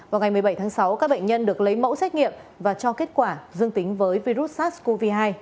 vào ngày một mươi bảy tháng sáu các bệnh nhân được lấy mẫu xét nghiệm và cho kết quả dương tính với virus sars cov hai